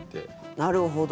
なるほど。